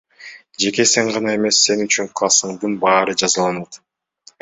Жеке сен гана эмес, сен үчүн классыңдын баары жазаланат.